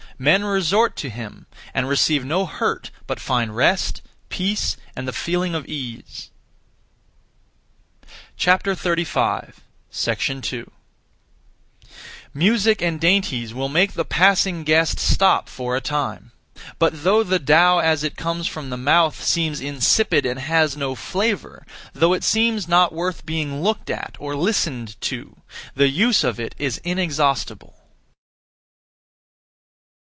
Men resort to him, and receive no hurt, but (find) rest, peace, and the feeling of ease. 2. Music and dainties will make the passing guest stop (for a time). But though the Tao as it comes from the mouth, seems insipid and has no flavour, though it seems not worth being looked at or listened to, the use of it is inexhaustible.